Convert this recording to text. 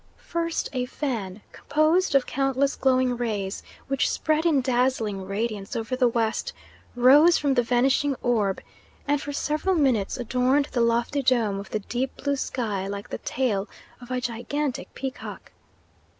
First a fan, composed of countless glowing rays which spread in dazzling radiance over the west, rose from the vanishing orb and for several minutes adorned the lofty dome of the deep blue sky like the tail of a gigantic peacock.